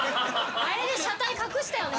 あれで車体隠したよね